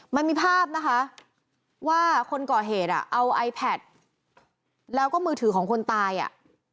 มันมีภาพนะคะว่าคนก่อเหตุอ่ะเอาไอแพทแล้วก็มือถือของคนตายอ่ะ